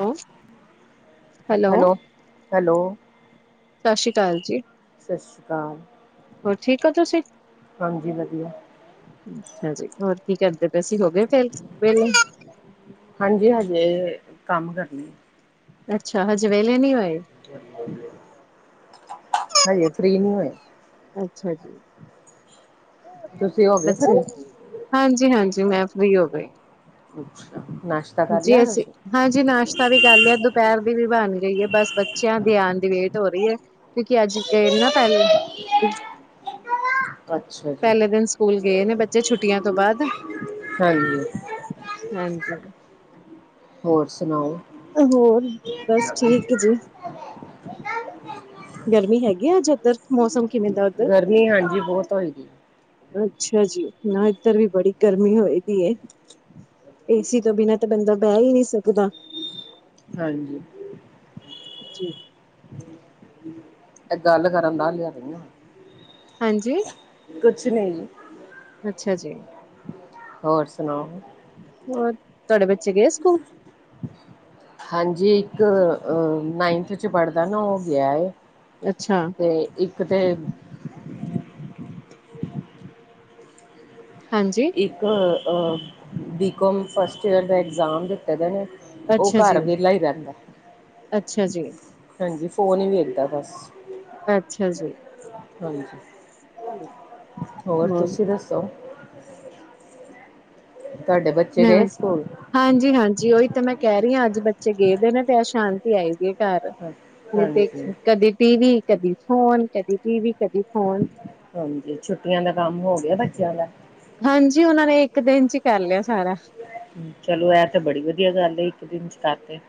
Has. Hello, hello. ਸਤਿ ਸ਼੍ਰੀ ਅਕਾਲ ਜੀ ਸਤਿ ਸ਼੍ਰੀ ਅਕਾਲ ਹੋਰ ਠੀਕ ਹੋ ਤੁਸੀਂ? ਹਾਂਜੀ ਵਧੀਆ। ਅੱਛਾ ਜੀ ਹੋਰ ਕੀ ਕਰਦੇ ਪਏ ਸੀਂ ਹੋਗੇਏ ਫੇਰ ਵੇਲੇ। ਹਾਂਜੀ ਹਾਂਜੀ ਇਹ ਕੰਮ ਕਰਨੇ। ਅੱਛਾ ਹਜੇ ਵੇਲੇ ਨਹੀਂ ਹੋਏ। ਹਾਂ ਲੇ ਫ੍ਰਰੀ ਨਹੀਂ ਹੋਏ। ਅੱਛਾ ਜੀ। ਤੁਸੀਂ ਹੋ ਗਏ ਫ੍ਰੀ? ਹਾਂਜੀ, ਹਾਂਜੀ ਮੈਂ ਫਰੀ ਹੋ ਗਈ ਅੱਛਾ ਨਾਸ਼ਤਾ ਕਰ ਲੇਆ ਜੀ ਅਸੀਂ ਹਾਂਜੀ ਨਾਸ਼ਤਾ ਵੀ ਕਰ ਲਿਆ ਦੁਪਹਰ ਦੀ ਵੀ ਬਣ ਗਈ ਏ ਬਸ ਬੱਚਿਆਂ ਦੀ ਆਣ ਦੀ ਵੇਟ ਹੋ ਰੀ ਏ ਕਿਉਂਕਿ ਅੱਜ ਕ ਨਾ ਪਹਲੇ ਅੱਛਾ ਜੀ। ਪਹਲੇ ਦਿਨ ਸਕੂਲ ਗਏ ਨੇ ਬੱਚੇ ਛੁੱਟੀਆਂ ਤੋਂ ਬਾੱਦ ਹਾਂਜੀ ਹਾਂਜੀ। ਹੋਰ ਸੁਣਾਓ? ਹੋਰ ਬਸ ਠੀਕ ਜੀ। ਗਰਮੀ ਹੈਗੀ ਆੱਜ ਇੱਧਰ। ਮੌਸਮ ਕਿਵੇਂ। ਦਾ ਉੱਧਰ? ਗਰਮੀ ਹਾਂਜੀ ਬਹੁਤ ਹੋਏਗੀ। ਅੱਛਾ ਜੀ, ਨਾ ਇੱਧਰ ਵੀ ਬੜੀ ਗਰਮੀ ਹੋਏਗੀ। ਏਸੀ ਤੋਂ ਬਿਨਾਂ ਤਾਂ ਬੰਦਾ ਬੇਈ ਨੀਂ ਸਕਦਾ। ਹਾਂਜੀ ਜੀ ਗੱਲ ਕਰਨ ਦਾ ਲਿਆ ਰਆਂ ਹਾਂਜੀ। ਕੁਛ ਨਈ। ਅੱਛਾ ਜੀ। ਹੋਰ ਸੁਣਾਓ। ਹੋਰ ਤੁਆਡੇ ਬੱਚੇ ਗੇ ਸਕੂਲ। ਹਾਂਜੀ ਇੱਕ ਨਹਾਇਥ ਚ ਪੜ੍ਹਦਾ ਨਾ ਓਹ ਗਿਆ। ਅੱਛਾ ਤੇ ਇੱਕ ਤੇ। ਹਾਂਜੀ। ਇੱਕ ਬੀਕੌਮ ਫਸਟ ਈਅਰ ਦਾ ਐਗਜ਼ਾਮ ਦਿੱਤਾ ਆਂ ਨੇ। ਉਹ ਅੱਛਾ ਜੀ ਘਰ ਵੇਲਾ ਹੀ ਰਹੰਦਾ, ਅੱਛਾ ਜੀ ਹਾਂਜੀ ਫੋਨ ਹੀ ਵੇਖਦਾ ਬਸ। ਅੱਛਾ ਜੀ। ਹਾਂਜੀ ਸਰ। ਹ [inaudible] ਹੋਰ ਤੁਸੀਂ ਦੱਸੋ। ਤੁਹਾਡੇ ਬੱਚੇ ਮੈਂ ਗਏ ਸਕੂਲ। ਹਾਂਜੀ, ਹਾਂਜੀ ਓਈ ਤਾਂ ਮੈਂ ਕੇ ਰੀਆ ਅੱਜ ਬੱਚੇ ਗਏ ਨੇ ਤੇ ਅਜ ਸ਼ਾਂਤੀ ਆਏਗੀ। ਕਰ ਨੀਂ ਤੇ ਹਾਂਜੀ ਕਦੀ ਟੀਵੀ ਕਦੀ ਫੋਨ ਕਦੀ ਟੀਵੀ ਕਦੀ ਫੋਨ। ਹਾਂਜੀ, ਛੁੱਟੀਆਂ ਦਾ ਕੰਮ ਹੋ ਗਿਆ ਬੱਚਿਆਂ ਦਾ। ਹਾਂਜੀ ਉਹਨਾਂ ਨੇ ਇੱਕ ਦਿਨ ਚ ਕਰ ਲਿਆ ਸਾਰਾ। ਚਲੋ ਏ ਤੇ ਬੜੀ ਵਧੀਆ ਗੱਲ ਏ ਇੱਕ ਦਿਨ ਵਿਚ ਕਰ ਤੇ।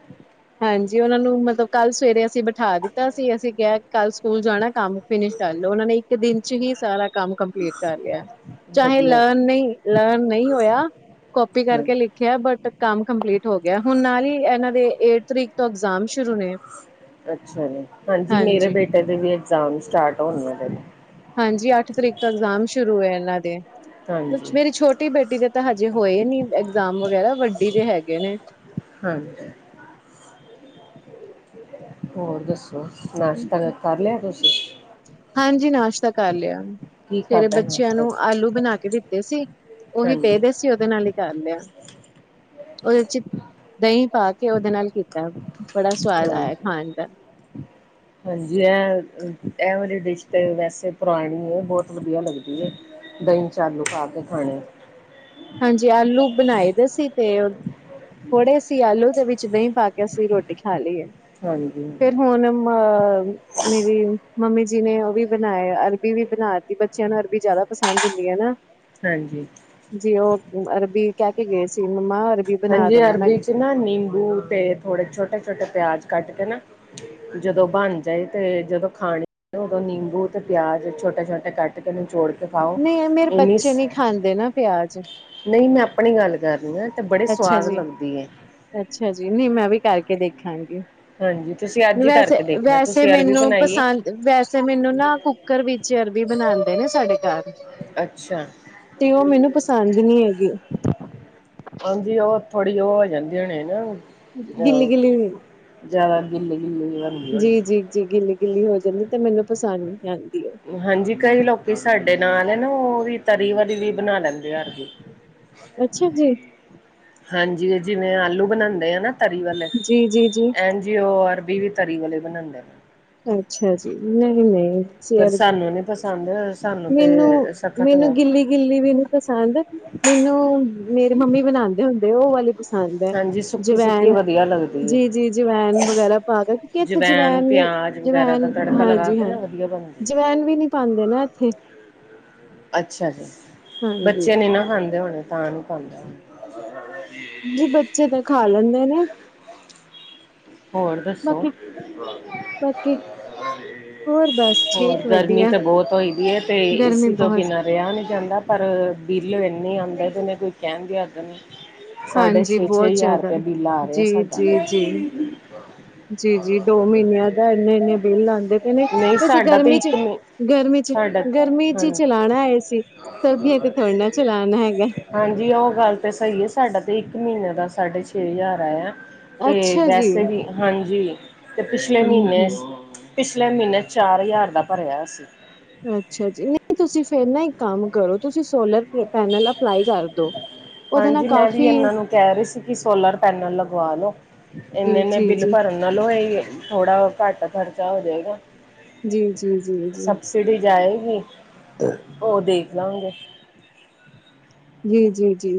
ਹਾਂਜੀ ਓਨਾਂ ਨੂੰ ਮਤਲਬ ਕੱਲ੍ਹ ਸਵੇਰੇ ਅਸੀਂ ਬਿਠਾ ਦਿੱਤਾ ਸੀ ਅਸੀਂ ਕਿਆ ਕੱਲ ਸਕੂਲ ਜਾਣਾ ਕੰਮ ਫਿਨਿਸ਼। ਚੱਲੋ ਉਹਨਾਂ ਨੇ ਇੱਕ ਦਿਨ ਚ ਹੀ ਸਾਰਾ ਕੰਮ ਕੰਪਲੀਟ ਕਰ ਲਿਆ। ਚਾਹੇ ਵਧੀਆ ਲਰਨ ਨਈ ਲਰਨ ਨਈ ਹੋਇਆ ਕੋਪੀ ਹਾਂ। ਕਰਕੇ ਲਿਖ। ਕੇਆ ਬਟ ਕੰਮ ਕੰਪਲੀਟ ਹੋ ਗਿਆ ਹੁਣ ਨਾਲ ਈ ਇਹਨਾਂ ਦੇ ਇੱਕ ਤਰੀਕ ਤੋਂ ਇਗਜ਼ਾਮ ਸ਼ੁਰੂ ਨੇ। ਅੱਛਾ ਜੀ, ਹਾਂਜੀ ਮੇਰੇ ਬੇਟੇ ਦੇ ਵੀ ਇਗਜ਼ਾਮ ਸਟਾਰਟ ਹੋਣ ਵਾਲੇ ਨੇ। ਹਾਂਜੀ ਅੱਠ ਤਰੀਕ ਤੋਂ ਇਗਜ਼ਾਮ ਸ਼ੁਰੂ ਏ ਏਨਾਂ ਦੇ। ਹਾਂਜੀ ਮੇਰੀ ਛੋਟੀ ਬੇਟੀ ਦੇ ਤਾਂ ਹਜੇ ਹੋਏ ਨੀ ਐਗਜ਼ਾਮ ਵਗੈਰਾ ਵੱਡੀ ਦੇ ਹੈਗੇ ਨੇ। ਹਾਂ। ਹੋਰ ਦੱਸੋ ਨਾਸ਼ਤਾ ਕਰ ਲਿਆ ਤੁਸੀਂ। ਹਾਂਜੀ ਨਾਸ਼ਤਾ ਕਰ ਲਿਆ। ਕੀ ਸਵੇਰੇ ਖਾਧਾ ਬੱਚਿਆਂ ਨਾਸ਼ਤਾ ਨੂੰ ਚ ਆਲੂ ਬਣਾ ਕੇ ਦਿੱਤੇ ਸੀ ਉਹੀ ਹਾਂਜੀ ਪਏ ਸੀ ਉਹਦੇ ਨਾਲ। ਕਰ ਲਿਆ ਉਹਦੇ ਚ ਦਈ ਪਾ ਕੇ ਉਹਦੇ ਨਾਲ ਕੀਤਾ। ਬੜਾ ਸਵਾਦ ਆਇਆ ਹਾਂਜੀ ਖਾਣ ਦਾ। ਹਾਂਜੀ ਇਹ ਡਿਸ਼ ਤੇ ਵੈਸੇ ਪੁਰਾਣੀ ਏ ਬੋਹਤ ਵਧੀਆ ਲੱਗਦੀ ਏ। ਦਈ ਚ ਆਲੂ ਪਾ ਕੇ ਖਾਣੇ। ਹਾਂਜੀ ਆਲੂ ਬਣਾਏ ਤੇ ਸੀ ਤੇਲ। ਥੋੜ੍ਹੇ ਸੀ ਆਲੂ ਦੇ ਵਿੱਚ ਦਈ ਪਾਕੇ ਅਸੀਂ ਰੋਟੀ ਖਾ ਲੀਏ। ਹਾਂਜੀ ਹਾਂਜੀ ਫੇਰ ਹੁਣ ਅ। ਮੇਰੀ ਮੰਮੀ ਜੀ ਨੇ ਓਵੀ ਬੇਨਾਤੀ ਅਰਬੀ ਵੀ। ਬੱਚਿਆਂ ਨੂੰ ਅਰਬੀ ਜ਼ਾਦਾ ਪਸੰਦ ਹੁੰਦੀ ਏ ਨਾ। ਹਾਂਜੀ [unintelligible] ਜੀ ਓ ਅਰਬੀ ਕੀਹ ਕੇ ਗਏ ਸੀ ਮੰਮਾ ਅਰਬੀ ਬਣਾ ਦੇਣਾ ਮੈਂ। ਏਹਨਾਂ ਨਿੰਬੂ ਤੇ ਥੋੜੇ ਛੋਟੇ ਛੋਟੇ ਪਿਆਜ ਕੱਟ ਕੇ ਨਾ। ਜਦੋਂ ਬਣ ਜਾਏ ਤੇ ਜਦੋਂ ਖਾਣੇ ਉਦੋਂ ਨਿੰਬੂ ਤੇ ਪਿਆਜ ਛੋਟੇ ਛੋਟੇ ਕੱਟ। ਅਤੇ ਇਹਨੂੰ ਜੋੜ ਕੇ ਪਾਓ ਨਹੀਂ ਮੇਰੇ ਇਨੀ। ਬੱਚੇ ਨੀ ਖਾਂਦੇ ਨਾ ਪਿਆਜ ਨਹੀਂ ਮੈਂ ਆਪਣੀ ਗੱਲ ਕਰ ਰਹੀ ਆ ਤੇ ਬੜੇ ਅੱਛਾ ਸਵਾਦ ਜੀ ਬਣਾਦੀ। ਅੱਛਾ, ਜੀ ਨਹੀਂ ਮੈਂ ਵੀ ਕਰਕੇ ਦੇਖਾਂਗੀ। ਹਾਂਜੀ ਤੁਸੀਂ ਅੱਜ ਹੀ ਵੈਸੇ ਕਰਕੇ ਦੇਖਣਾ ਵੈਸੇ ਤੁਸੀਂ ਅਰਬੀ ਮੈਨੂੰ ਬਣਾਈਏ ਪਸੰਦ। ਵੈਸੇ ਮੈਨੂੰ ਨਾ ਕੁੱਕਰ ਵਿੱਚ ਅਰਬੀ ਬਣਾਉਂਦੇ ਨੇ ਸਾਡੇ ਘਰ। ਅੱਛਾ। ਤੇ ਉਹ ਮੈਨੂੰ ਪਸੰਦ ਨੀ ਹੈਗੇ। ਹਾਂਜੀ, ਉਹ ਥੋੜੀ ਉਹ ਹੋ ਜਾਂਦੀ ਹੋਣੇ ਨਾ। ਗਿੱਲੀ ਆਹੋ ਗਿੱਲੀ ਜਿਆਦਾ ਗਿੱਲੇ-ਗਿੱਲੇ ਬਣਦੀ ਹੋਣੀ। ਤੀਜੀ ਕਿੰਨੀ ਗਿੱਲੀ ਹੋ ਜਾਂਦੀ ਤੇ ਮੈਨੂੰ ਪਸੰਦ ਨਹੀਂ ਆਦੀ ਉਹ ਹਾਂਜੀ, ਕਈ ਲੋਕੀ ਸਾਡੇ ਨਾਲ ਹੈ ਨਾ ਉਹ ਵੀ ਤਰੀ ਵਾਲੀ ਵੀ ਬਣਾ ਲੈਂਦੇ ਆ। ਅੱਛਾ ਜੀ, ਹਾਂਜੀ ਜਿਵੇਂ ਆਲੂ ਬਣਾਉਦੇ ਆ ਨਾ ਤਰੀ ਵਾਲੇ ਜੀ ਜੀ ਐਂ ਜੀ ਉਹ ਅਰਬੀ ਵੀ ਤਰੀ ਵਾਲੇ ਬਣਾਦੇ ਨੇ, ਅੱਛਾ ਜੀ, ਨਹੀਂ-ਨਹੀਂ, ਪਰ ਸਾਨੂੰ ਨੀ ਪਸੰਦ ਸਾਨੂੰ ਮੈਨੂੰ ਤੇ ਸਖਤ ਮੈਨੂੰ ਵਾ ਗਿੱਲੀ ਗਿੱਲੀ ਵੀ ਨੂੰ ਪਸੰਦ, ਮੈਨੂੰ ਮੇਰੀ ਮੰਮੀ ਬਣਾਦੇ ਹੁੰਦੇ ਉਹ ਵਾਲੀ, ਖਾਦਾ ਹਾਂਜੀ ਸੁੱਕੀ ਸੁੱਕੀ ਜਵੈਨ ਵਧੀਆ ਲੱਗਦੀ ਹੈ ਜੀ ਜੀ ਜਵੈਨ ਵਗੈਰਾ ਪਾ ਦੋ, ਕਿ ਇੱਥੇ ਜਵੈਨ ਨੀ ਪਿਆਜ ਵਗੈਰਾ ਦਾ ਜਵੈਨ ਤੜਕਾ ਲਗਾ ਹਾਂਜੀ ਕੇ ਹਾਂ ਨਾ ਵਧੀਆ ਬਣਦੀ ਹੈ ਜਵੈਨ ਵੀ ਨੀ ਪਾਦੇ ਨਾ ਇੱਥੇ ਅੱਛਾ ਜੀ, ਹਾਂਜੀ। ਬੱਚੇ ਨੀ ਨਾ ਖਾਂਦੇ ਹੋਣੇ ਤਾਂ ਨੀ ਖਾਂਦਾ। ਜੀ ਬੱਚੇ ਤਾਂ ਖਾ ਲੈਂਦੇ ਨੇ, ਹੋਰ ਦੱਸੋ? ਬਾਕੀ-ਬਾਕੀ ਹੋਰ ਬਸ ਹੋਰ ਠੀਕ ਗਰਮੀ ਵਧੀਆ ਤਾਂ ਬਹੁਤ ਹੋਈ ਦੀ ਹੈ, ਤੇ ਗਰਮੀ ਏਸੀ ਤੋਂ ਬਹੁਤ ਬਿਨਾਂ ਰਿਹਾ ਨਹੀਂ ਜਾਂਦਾ, ਪਰ ਬਿੱਲ ਇੰਨੇ ਆਦਾ ਜਿਵੇ ਕੋਈ ਕਹਿਣ ਦੀ ਅੱਗ ਨਹੀਂ, ਸਾਢੇ ਹਾਂਜੀ ਛੇ-ਛੇ ਬਹੁਤ ਹਜ਼ਾਰ ਜ਼ਿਆਦਾ ਰੁਪਇਆ ਬਿੱਲ ਆ ਰਿਹਾ ਸਾਡਾ ਤੇ ਜੀ ਜੀ ਦੋ ਮਹੀਨਿਆਂ ਦਾ ਇੰਨੇ-ਇੰਨੇ ਬਿੱਲ ਆਉਂਦੇ ਪਏ ਨੇ, ਕੁਛ ਸਾਡਾ ਤੇ ਗਰਮੀ ਚ, ਇੱਕ ਗਰਮੀ ਚ ਸਾਡਾ ਗਰਮੀ ਚ ਹੀ ਹਾਂ ਚਲਾਣਾ ਹੈ, ਏਸੀ ਸਰਦੀਆਂ ਤੇ ਥੋੜਾ ਚਲਾਣਾ ਹੈਗਾ। ਹਾਂਜੀ ਉਹ ਗੱਲ ਤਾਂ ਸਹੀ ਹੈ, ਸਾਡਾ ਤਾਂ ਇੱਕ ਮਹੀਨੇ ਦਾ ਸਾਢੇ ਛੇ ਹਜ਼ਾਰ ਆਇਆ। ਤੇ ਅੱਛਾ ਜੀ ਵੈਸੇ ਵੀ ਹਾਂਜੀ ਤੇ ਪਿਛਲੇ ਮਹੀਨੇ, ਹੂੰ-ਹੂੰ ਪਿਛਲੇ ਮਹੀਨੇ ਚਾਰ ਹਜ਼ਾਰ ਦਾ ਭਰਿਆ ਅਸੀ, ਅੱਛਾ ਜੀ ਨਹੀਂ ਤੁਸੀਂ ਫਿਰ ਨਾ ਇੱਕ ਕੰਮ ਕਰੋ, ਤੁਸੀਂ ਸੋਲਰ ਪੈਨਲ ਅਪਲਾਈ ਕਰਦੋ, ਹਾਂਜੀ ਮੈਂ ਵੀ ਇਹਨਾਂ ਨੂੰ ਕਹਿ ਰਹੀ ਸੀ, ਕਿ ਸੋਲਰ ਪੈਨਲ ਲਗਵਾ ਲੋ ਇੰਨੇ ਜੀ ਇਨੇ ਜੀ ਬਿੱਲ ਜੀ ਭਰਨ ਨਾਲ ਚਲੋ ਇਹ ਥੋੜਾ ਘੱਟ ਖਰਚਾ ਹੋ ਜਾਏਗਾ। ਜੀ ਜੀ ਜੀ ਜੀ ਸਬਸਿਡੀ ਜਾਏਗੀ, ਉਹ ਦੇਖ ਲਾਗੇ। ਜੀ-ਜੀ-ਜੀ,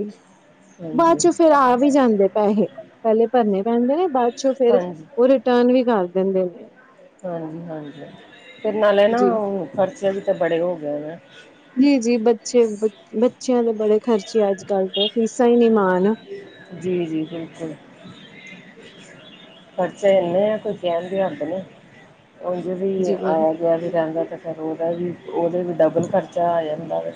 ਬਾਅਦ ਹਾਂਜੀ ਚ ਫੇਰ ਆ ਵੀ ਜਾਂਦੇ ਪੈਸੇ, ਪਹਿਲੇ ਭਰਨੇ ਪੈਂਦੇ ਨੇ ਬਾਅਦ ਚੋਂ ਫੇਰ ਹਾਂਜੀ। ਉਹ ਰਿਟਰਨ ਵੀ ਕਰ ਦਿੰਦੇ ਨੇ, ਹਾਂਜੀ-ਹਾਂਜੀ, ਫੇਰ ਨਾਲੇ ਨਾ ਜੀ ਖ਼ਰਚੇ ਵੀ ਤਾਂ ਬੜੇ ਹੋ ਗਏ ਨੇ, ਜੀ-ਜੀ ਬੱਚੇ ਬੱਚਿਆਂ ਦੇ ਬੜੇ ਖਰਚੇ ਆ ਅੱਜ-ਕੱਲ ਦੇ ਫੀਸਾਂ ਹੀ ਨਹੀਂ ਮਾਨ ਜੀ-ਜੀ ਬਿਲਕੁਲ, ਖਰਚੇ ਇੰਨੇ ਆ ਕੋਈ ਕਹਿਦੇ ਹੁੰਦੇ ਨੇ ਉਹ ਵੀ, ਜੀ ਆ ਵੀ ਰਹਿੰਦਾ, ਅਤੇ ਫਿਰ ਉਹਦਾ ਵੀ ਉਹਦਾ ਵੀ ਡਬਲ ਖਰਚਾ ਆ ਜਾਂਦਾ ਫਿਰ।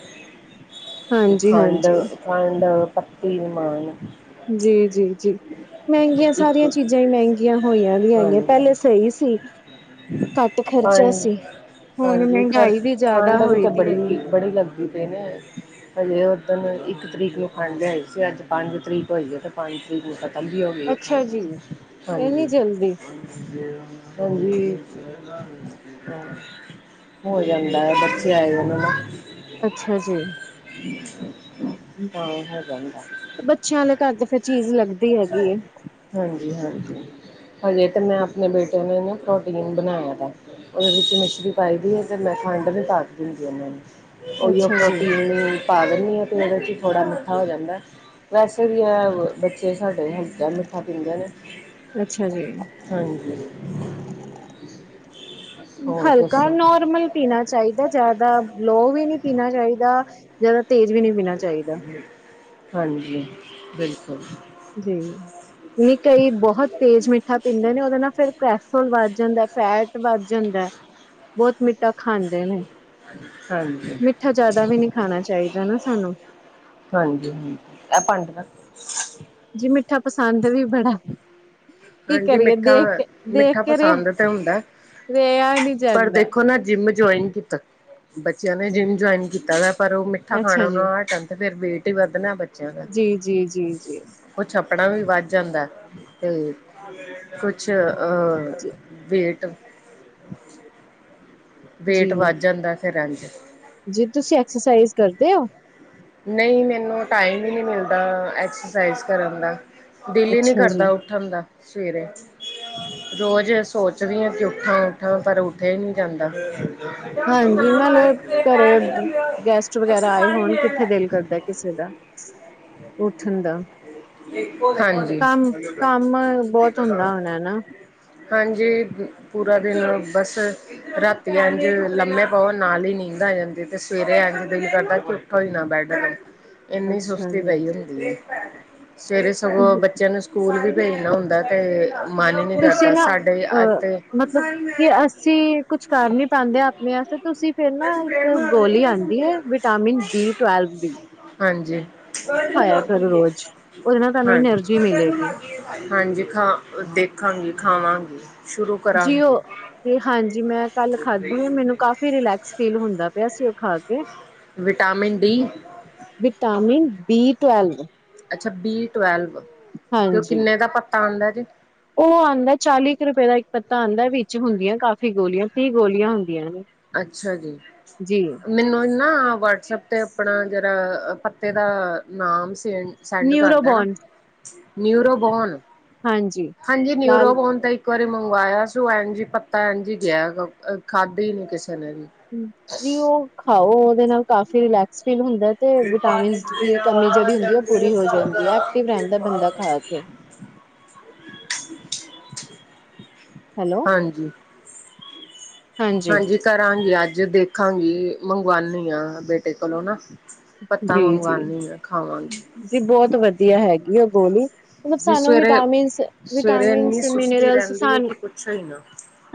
ਹਾਂਜੀ ਹਾਂਜੀ ਖੰਡ-ਖੰਡ ਪਤੀ ਨਹੀਂ ਮਾਣ। ਜੀ-ਜੀ-ਜੀ ਮਹਿੰਗੀਆਂ ਇੱਕ ਸਾਰੀਆਂ ਚੀਜ਼ਾਂ ਹੀ ਮਹਿੰਗੀਆਂ। ਹੋਈਆਂ ਹੈਗੀਆਂ, ਪਹਿਲੇ ਹਾਂਜੀ ਸਹੀ ਸੀ। ਘੱਟ ਖਰਚਾ ਹਾਂਜੀ ਸੀ, ਹੁਣ ਹਾਂਜੀ ਖਰ ਮਹਿੰਗਾਈ ਵੀ ਜ਼ਿਆਦਾ ਖੰਡ ਵੀ ਹੋਈ ਤਾਂ ਦੀ ਐ ਗੀ। ਬੜੀ ਬੜੀ ਲੱਗਦੀ ਤੇ ਨਾ ਹਜੇ ਉਸ ਦਿਨ ਇੱਕ ਤਰੀਕ ਨੂੰ ਖੰਡਿਆਈ ਸੀ, ਅੱਜ ਪੰਜ ਤਰੀਕ ਹੋਈ ਹੈ ਤੇ ਪੰਜ ਤਰੀਕ ਨੂੰ ਹਾਜੀ ਆ ਗਈ ਅੱਛਾ ਜੀ, ਇੰਨੀ ਹਾਂਜੀ-ਹਾਂਜੀ, ਜਲਦੀ। ਹੋ ਜਾਂਦਾ ਹੈ, ਬੱਚੇ ਆਏ ਨਾ, ਅੱਛਾ ਜੀ, [unintelligible] ਤਾਂ ਹੋ ਜਾਂਦਾ ਬੱਚਿਆਂ ਦੇ ਘਰ ਤੇ ਫੇਰ ਚੀਜ਼ ਲੱਗਦੀ ਹੈਗੀ ਏ, ਹਾਂਜੀ-ਹਾਂਜੀ ਹਜੇ ਤਾਂ ਮੈਂ ਆਪਣੇ ਬੇਟਿਆਂ ਨੇ ਨਾ ਕ ਪਟੀਮ ਬਣਾਇਆ, ਦਾ ਉਹਦੇ ਵਿੱਚ ਮਿਛਲੀ ਪਾਈ ਦੀ ਹੈ, ਅਤੇ ਮੈਂ ਖੰਡ ਵੀ ਤਾ ਦਿੰਦੀ ਉਹਨਾਂ ਨੂੰ ਉਹੀਓ ਅੱਛਾ ਜੀ, ਪ੍ਰੋਟੀਨ ਪਾ ਦਿੰਦੀ ਆ ਤੇ ਉਹਦੇ ਚ ਥੋੜਾ ਮਿੱਠਾ ਹੋ ਜਾਂਦਾ। ਵੈਸੇ ਵੀ ਬੱਚੇ ਸਾਡੇ ਹਲਕਾ ਮਿੱਠਾ ਪੀਂਦੇ ਨੇ। ਅੱਛਾ ਜੀ। ਹਾਂਜੀ [inaudible] ਹਲਕਾ ਦੱਸੋ ਨੋਰਮਲ ਪੀਣਾ ਚਾਹੀਦਾ ਜਿਆਦਾ ਲੋਹ ਵੀ ਨਹੀਂ ਪੀਣਾ ਚਾਹੀਦਾ ਜਿਆਦਾ ਤੇਜ਼ ਵੀ ਨਹੀਂ ਪੀਣਾ ਚਾਹੀਦਾ। ਹਾਂਜੀ ਬਿਲਕੁਲ ਜੀ। ਨਹੀਂ ਕਈ ਬਹੁਤ ਤੇਜ਼ ਮਿੱਠਾ ਪੀਂਦੇ ਨੇ ਉਹਦੇ ਨਾਲ ਫਿਰ ਕੈਸਟਰੋਲ ਵੱਧ ਜਾਂਦਾ ਫੈਟ ਤੇ ਵੱਧ ਜਾਂਦਾ ਬਹੁਤ ਮਿੱਠਾ ਖਾਂਦੇ ਨੇ। ਹਾਂਜੀ ਮਿੱਠਾ ਜ਼ਿਆਦਾ ਵੀ ਨਹੀਂ ਖਾਣਾ ਚਾਹੀਦਾ ਨਾ ਸਾਨੂੰ ਹਾਂਜੀ ਇਹ ਭਾਂਡੇ ਰੱਖ ਜੀ ਮਿੱਠਾ ਪਸੰਦ ਵੀ ਬੜਾ ਕੀ ਹਾਂਜੀ ਕਰੀਏ ਦੇਖ ਕੇ ਦੇਖ ਮਿੱਠਾ-ਮਿੱਠਾ ਕੇ ਰਿਹਾ ਪਸੰਦ ਤੇ ਹੁੰਦਾ। ਰਿਹਾ ਨਹੀਂ ਪਰ ਜਾਂਦਾ ਦੇਖੋ ਨਾ ਜਿੰਮ ਜੁਆਇਨ ਕੀਤਾ ਬੱਚਿਆਂ ਨੇ ਜਿੰਮ ਜੁਆਇਨ ਕੀਤਾ ਦਾ ਪਰ ਉਹ ਮਿੱਠਾ ਅੱਛਾ ਖਾਣਾ ਜੀ ਉਹ ਹੱਟਣ ਤੇ ਫਿਰ ਵੇ ਕੀ ਵੱਧਣਾ ਬੱਚਿਆਂ ਦਾ ਜੀ ਜੀ ਜੀ ਜੀ ਕੁਝ ਆਪਣਾ ਵੀ ਵੱਧ ਜਾਂਦਾ ਹੈ। ਕੁਛ ਅ ਜੀ ਵੇਟ ਜੀ ਵੇਟ ਵੱਧ ਜਾਂਦਾ ਫਿਰ ਐਂਜ ਜੀ ਤੁਸੀ ਐਕਸਰਸਾਈਜ਼ ਕਰਦੇ ਹੋ। ਨਹੀਂ ਮੈਨੂੰ ਟਾਈਮ ਹੀ ਨਹੀਂ ਮਿਲਦਾ ਐਕਸਰਸਾਈਜ਼ ਕਰਨ ਦਾ ਦਿਲ ਨੀ ਅੱਛਾ ਜੀ ਕਰਦਾ ਉ ਉਠਣ ਦਾ ਸਵੇਰੇ ਰੋਜ਼ ਸੋਚਦੀ ਹਾਂ ਕਿ ਉਠਾਂ-ਉਠਾਂ ਪਰ ਉਠਿਆ ਹੀ ਨਹੀਂ ਜਾਂਦਾ। ਹਾਂਜੀ ਨਾਲ ਘਰੇ ਗੈਸਟ ਵਗੈਰਾ ਆਏ ਹੋਣ ਕਿੱਥੇ [unintelligible] ਦਿਲ ਕਰਦਾ ਕਿਸੇ ਦਾ ਉਠਣ ਦਾ ਹਾਂਜੀ। ਕੰਮ-ਕੰਮ ਬਹੁਤ ਹੁੰਦਾ ਹੋਣਾ ਹਨਾ। ਹਾਂਜੀ ਪੂਰਾ ਦਿਨ ਬਸ ਰਾਤੀ ਏੰਜ ਲੰਮੇ ਪਓ ਨਾਲ ਹੀ ਨੀਂਦ ਆ ਜਾਂਦੀ ਤੇ ਸਵੇਰੇ ਇੰਜ ਕੀ ਕਰਦਾ ਉਠੋ ਹੀ ਨਾ ਬੈਡ ਤੋਂ ਇੰਨੀ ਅੱਛਾ ਸੁਸਤੀ ਪਈ ਜੀ ਹੁੰਦੀ ਸਵੇਰੇ ਸਗੋਂ ਬੱਚਿਆਂ ਨੂੰ ਸਕੂ ਸਕੂਲ ਵੀ ਭੇਜਣਾ ਹੁੰਦਾ ਤੇ ਮਨ ਹੀ ਨਹੀਂ ਤੁਸੀ ਕਰਦਾ ਨਾ ਸਾਡੇ ਅੱਜ ਅਹ ਤੇ ਮਤਲਬ ਕਿ ਅਸੀ ਕੁਛ ਕਰ ਨੀ ਦੇ ਆਪਣੇ ਤੁਸੀ ਫਿਰ ਨਾ ਇੱਕ ਗੋਲੀ ਆਂਦੀ ਹੈ ਵਿਟਾਮਿਨ ਬੀ ਟਵੈਲਵ ਦੀ ਹਾਂਜੀ ਹਾਂ। ਉਹ ਖਾਇਆ ਕਰੋ ਰੋਜ਼ ਉਹਦੇ ਨਾਲ ਤੁਹਾਨੂੰ ਐਨਰਜੀ ਮਿਲੇਗੀ [unintelligible] ਹਾਂਜੀ ਖਾ ਦੇਖਾਂਗੀ ਖਾਵਾਂਗੀ। ਸ਼ੁਰੂ ਜੀ ਕਰਾਂਗੀ। ਉਹ ਤੇ ਹਾਂਜੀ ਮੈਂ ਕੱਲ ਖਾਧੀ ਹ ਮੈਨੂੰ ਕਾਫੀ ਰਿਲੈਕਸ ਫੀਲ ਹੁੰਦਾ ਪਿਆ ਸੀ ਉਹ ਖਾ ਕੇ vitamin D vitamin B twelve ਅੱਛਾ ਬੀ ਟੈਵਲਵ ਤੇ ਉਹ ਹਾਂਜੀ ਕਿੰਨੇ ਦਾ ਪੱਤਾ ਆਂਦਾ ਜੇ ਉਹ ਆਂਦਾ ਚਾਲੀ ਕੁ ਰੁਪਏ ਦਾ ਇੱਕ ਪੱਤਾ ਆਂਦਾ ਵਿੱਚ ਹੁੰਦੀਆਂ ਕਾਫ਼ੀ ਗੋਲੀਆਂ ਤੀਹ ਗੋਲੀਆਂ ਹੁੰਦੀਆਂ ਨੇ। ਅੱਛਾ ਜੀ। ਜੀ ਮੈਨੂੰ ਨਾ ਵਟਸਐਪ ਤੇ ਆਪਣਾ ਜਿਹੜਾ ਪੱਤੇ ਦਾ ਨਾਮ ਸੈਂ ਸੈਂਡ ਕਰ ਦੇਣਾ ਨਿਊਰੋਬੋਨ ਨਿਊਰੋਬੋਨ ਹਾਂਜੀ ਹਾਂਜੀ ਲਾਲ ਨਿਊਰੋਬੋਨ ਤਾਂ ਇੱਕ ਇੱਕ ਵਾਰੀ ਮੰਗਵਾਇਆ ਸੀ ਐਨਜੀ ਪੱਤਾ ਐਨਜੀ ਗਿਆ ਖਾਧੀ ਨੀ ਕਿਸੇ ਨੇ ਵੀ ਜੀ ਉਹ ਖਾਓ ਉਹਦੇ ਨਾਲ ਕਾਫੀ ਰਿਲੈਕਸ ਫੀਲ ਹੁੰਦਾ। ਤੇ ਵਿਟਾਮਿਨ ਦੀ ਕਮੀ ਜਿਹੜੀ ਹੁੰਦੀ ਹੈ ਉਹ ਪੂਰੀ ਹੋ ਜਾਂਦੀ ਹੈ ਐਕਟਿਵ ਰਹਿੰਦਾ ਬੰਦਾ ਖਾ ਕੇ। [inaudible] ਹੈਲੋ ਹਾਂਜੀ ਹਾਂਜੀ ਕਰਾਂਗੀ ਅੱਜ ਦੇਖਾਂਗੀ ਮੰਗਵਾਉਣੀ ਹਾਂ ਬੇਟੇ ਕੋਲੋਂ ਨਾ ਪੱਤਾ ਜੀ ਜੀ ਮੰਗਵਾਂਣੀ ਆਂ ਖਾਵਾਂਗੀ। ਜੀ ਬਹੁਤ ਵਧੀਆ ਹੈਗੀ ਆ ਗੋਲੀ ਮਤਲਬ ਜੀ ਸਾਨੂੰ ਸਵੇਰੇ ਵਿਟਾਮਿਨਸ- ਸਵੇਰੇ ਵਿਟਾਮਿਨਸ ਇੰਨੀ ਸੁਸਤੀ ਮਿਨਰਲਸ ਰਹਿੰਦੀ ਹੈ ਸਾਨੂੰ ਕਿ ਪੁੱਛੋ ਹੀ ਨਾ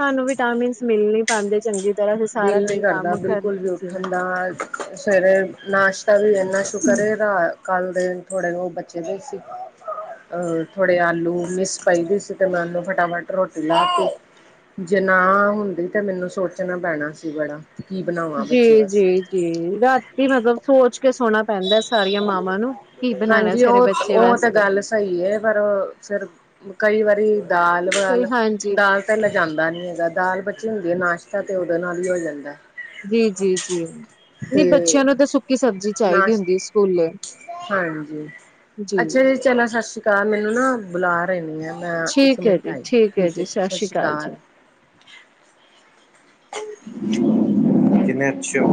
ਸਾਨੂੰ ਵਿਟਾਮਿਨਸ ਮਿਲ ਨੀ ਪਾਂਦੇ ਚੰਗੀ ਤਰ੍ਹਾਂ ਅਸੀਂ ਸਾਰਾ ਦਿਲ ਨਹੀਂ ਦਿਨ ਕਰਦਾ ਕੰਮ ਕਰ ਬਿਲਕੁਲ ਵੀ ਉੱਠਣ ਦਾ ਸਵੇਰੇ, ਨਾਸ਼ਤਾ ਵੀ ਇੰਨਾ ਸ਼ੁਕਰ ਇਹਦਾ ਕੱਲ ਦੇ ਥੋੜੇ ਬਚੇ ਦੇ ਸੀ। ਥੋੜ੍ਹੇ ਆਲੂ ਮਿਸ ਪਈ ਦੀ ਸੀ ਅਤੇ ਮੈਂ ਉਹਨੂੰ ਫਟਾਫਟ ਰੋਟੀ ਲਾਤੀ। ਜੇ ਨਾ ਹੁੰਦੀ ਤੇ ਮੈਨੂੰ ਸੋਚਣਾ ਪੈਣਾ ਸੀ ਬੜਾ। ਕੀ ਬਣਾਵਾਂ ਬੱਚੇ ਜੀ ਵਾਸਤੇ ਜੀ ਜੀ ਰਾਤੀ ਮਤਲਬ ਸੋਚ ਕੇ ਸੌਣਾ। ਪੈਂਦਾ ਸਾਰੀਆਂ ਮਾਵਾਂ ਨੂੰ, ਕੀ ਬਣਾਣਾ ਸਵੇਰੇ ਬੱਚੇ ਵਾਸਤੇ। ਹਾਂਜੀ ਇਹ ਪਰ, ਫਿਰ ਕਈ ਵਾਰੀ ਦਾਲ ਫਿਰ ਬਾਲ ਹਾਂਜੀ ਦਾਲ ਤਾਂ ਲਿਜਾਂਦਾ ਨੀ ਹੈਗਾ ਦਾਲ ਬਚੀ ਹੁੰਦੀ ਹੈ ਨਾਸ਼ਤਾ ਤੇ ਉਹਦੇ ਨਾਲ ਹੀ ਹੋ ਜਾਂਦਾ। ਜੀ ਜੀ ਜੀ, ਨਹੀਂ ਤੇ ਬੱਚਿਆਂ ਨੂੰ ਤਾਂ ਸੁ ਸੁੱਕੀ ਸਬਜ਼ੀ ਚਾਹੀਦੀ ਨਾਸ਼ ਹੁੰਦੀ ਸਕੂਲੇ, ਜੀ। ਚਲ ਸਤਿ ਸ਼੍ਰੀ ਤਾਂ ਮੈਨੂੰ ਨਾ, ਬੁਲਾ ਰਹੀ ਆ ਮੈਂ ਇੱਕ ਠੀਕ ਹੈ ਮਿੰਟ ਜੀ ਆਈ, ਠੀਕ ਜੀ ਹੈ ਸਤਿ ਸ੍ਰੀ ਸ਼੍ਰੀ ਜੀ ਅਕਾਲ। ਕਿਨੇ ਅੱਛੇ ਹੋ।